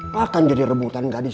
makan jadi rebutan gadis gadis